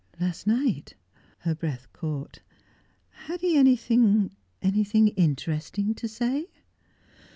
"Last night?" Her breath caught. "Had he anything anything interesting to say?"